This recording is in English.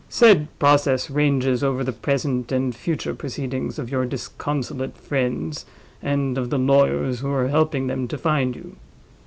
Said process ranges over the present and future proceedings of your disconsolate friends, and of the lawyers who are helping them to find you.